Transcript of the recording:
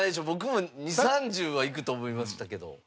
僕も２０３０はいくと思いましたけど。